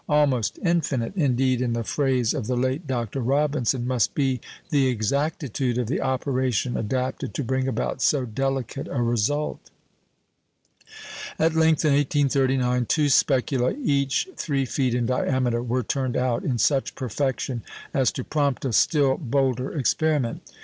"Almost infinite," indeed (in the phrase of the late Dr. Robinson), must be the exactitude of the operation adapted to bring about so delicate a result. At length, in 1839, two specula, each three feet in diameter, were turned out in such perfection as to prompt a still bolder experiment.